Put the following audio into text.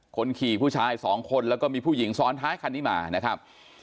คนขี่ผู้ชายสองคนแล้วก็มีผู้หญิงซ้อนท้ายคันนี้มานะครับ